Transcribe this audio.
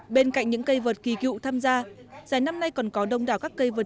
bên cạnh những cây vật kỳ cựu tham gia giải năm nay còn có đông đảo các cây vượt